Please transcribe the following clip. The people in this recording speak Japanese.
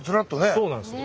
そうなんですよ。